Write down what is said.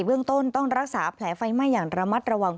เรื่องต้นต้องรักษาแผลไฟไหม้อย่างระมัดระวัง